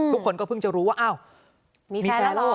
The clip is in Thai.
ทุกคนก็เพิ่งจะรู้ว่าอ้าวมีแฟนแล้วเหรอ